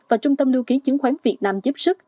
và trung tâm lưu ký chứng khoán việt nam giúp sức